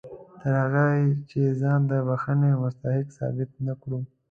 تر هغه چې ځان د بښنې مستحق ثابت نه کړو.